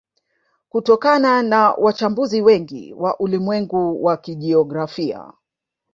Kutoka kwa wachambuzi wengi wa ulimwengu wa kijiografia